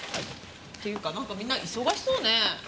っていうかなんかみんな忙しそうね。